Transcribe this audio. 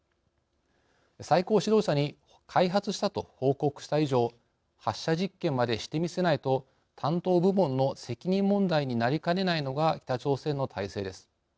最高指導者に開発したと報告した以上発射実験までしてみせないと担当部門の責任問題になりかねないのが北朝鮮の体制です。